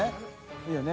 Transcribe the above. いいよね